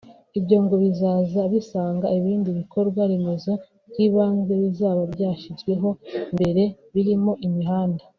Ibyo ngo bizaza bisanga ibindi bikorwa remezo by’ibanze bizaba byashyizweho mbere birimo imihanda